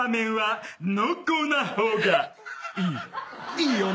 いいよね。